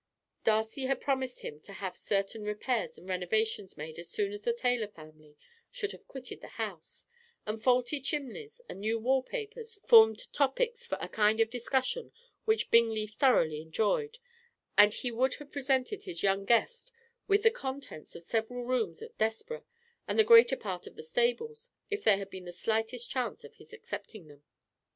Darcy had promised him to have certain repairs and renovations made as soon as the Taylor family should have quitted the house; and faulty chimneys and new wallpapers formed topics for a kind of discussion which Bingley thoroughly enjoyed, and he would have presented his young guest with the contents of several rooms at Desborough, and the greater part of the stables, if there had been the slightest chance of his accepting them.